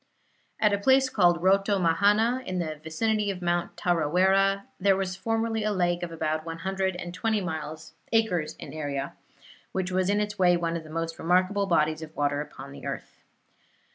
At a place called Rotomahana, in the vicinity of Mount Tarawera, there was formerly a lake of about one hundred and twenty acres in area, which was in its way one of the most remarkable bodies of water upon the earth.